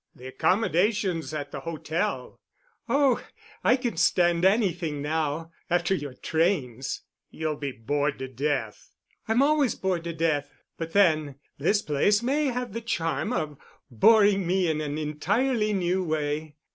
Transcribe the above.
The accommodations at the hotel——" "Oh, I can stand anything now—after your trains——" "You'll be bored to death." "I'm always bored to death. But, then, this place may have the charm of boring me in an entirely new way.